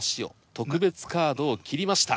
特別カードを切りました。